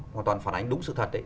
hoàn toàn phản ánh đúng sự thật ấy